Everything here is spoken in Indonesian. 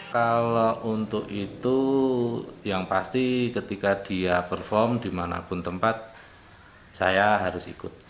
kalau untuk itu yang pasti ketika dia perform dimanapun tempat saya harus ikut